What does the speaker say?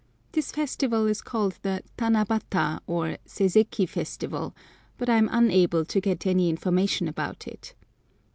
This festival is called the tanabata, or seiseki festival, but I am unable to get any information about it.